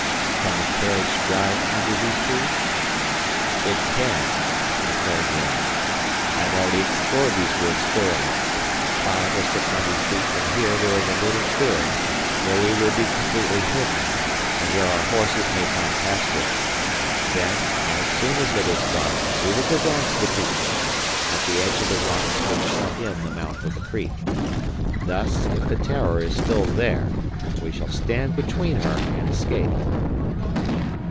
"Can the carriage drive under these trees?" "It can," declared Wells. "I have already explored these woods thoroughly. Five or six hundred feet from here, there is a little clearing, where we will be completely hidden, and where our horses may find pasture. Then, as soon as it is dark, we will go down to the beach, at the edge of the rocks which shut in the mouth of the creek. Thus if the 'Terror' is still there, we shall stand between her and escape."